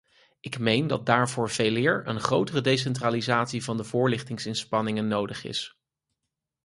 Ik meen dat daarvoor veeleer een grotere decentralisatie van de voorlichtingsinspanningen nodig is.